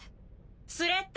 ・スレッタ。